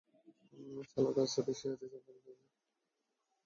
শালা তার সাথে শুয়েছিস, আর নাম জানিস না?